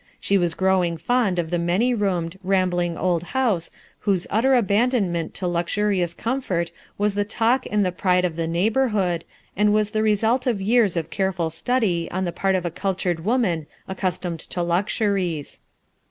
She was growing fond of the many roomed, rambling old house whose utter abandonment to luxurious comfort was the talk and the pride of the neighborhood; and was the result of years of careful study on the part of a cultured woman accustomed to luxuries.